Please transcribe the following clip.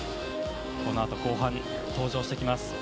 この後登場してきます。